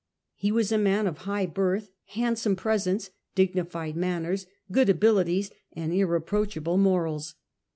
He was a man of high birth, wibert handsome presence, dignified manners, good pJ^pefji^*'" abilities, and irreproachable morals.